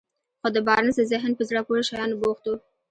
خو د بارنس ذهن په زړه پورې شيانو بوخت و.